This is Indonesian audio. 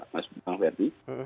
mas bukang verdi